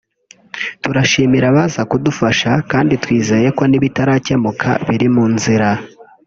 turashimira abaza kudufasha kandi twizeye ko n’ ibitarakemuka biri mu nzira